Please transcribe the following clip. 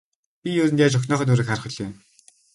Би ер нь яаж охиныхоо нүүрийг харах билээ.